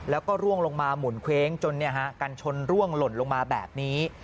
แล้วก็ร่วงลงมาหมุนเว้งจนกันชนร่วงหล่นลงมาแบบนี้